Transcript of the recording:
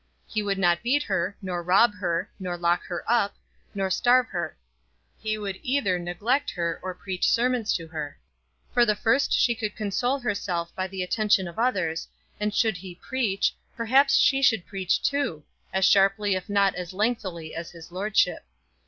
He would not beat her, nor rob her, nor lock her up, nor starve her. He would either neglect her, or preach sermons to her. For the first she could console herself by the attention of others; and should he preach, perhaps she could preach too, as sharply if not as lengthily as his lordship.